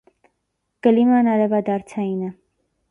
Կլիման արևադարձային է։